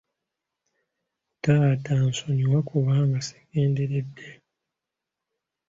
Taata nsonyiwa kubanga sigenderedde.